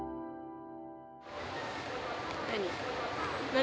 何？